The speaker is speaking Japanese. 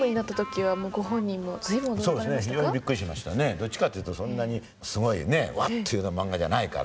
どっちかっていうとそんなにすごい「ワッ！」というような漫画じゃないから。